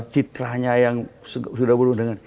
citranya yang sudah berundangan